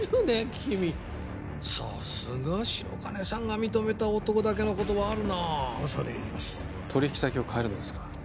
君さすが白金さんが認めた男だけのことはあるな恐れ入ります取引先を変えるのですか？